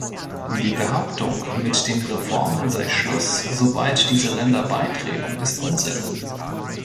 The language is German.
Die Behauptung, mit den Reformen sei Schluss, sobald diese Länder beitreten, ist Unsinn.